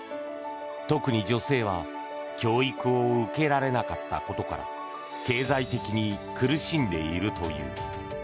特に女性は教育を受けられなかったことから経済的に苦しんでいるという。